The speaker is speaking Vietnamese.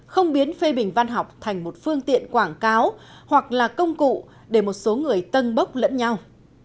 không biến phê bình văn học thành một phương tiện quảng cáo hoặc là công cụ để một số người tân bốc lẫn nhau